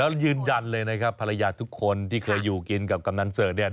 แล้วยืนยันเลยนะครับภรรยาทุกคนที่เคยอยู่กินกับกำนันเสิร์ตเนี่ย